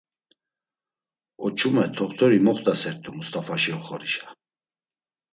Oç̌ume t̆oxt̆ori moxt̆asert̆u Must̆afaşi oxorişa.